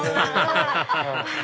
ハハハハハ